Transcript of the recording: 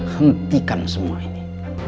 hentikan semua ini